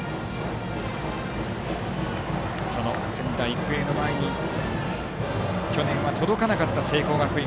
仙台育英の前に去年は届かなかった聖光学院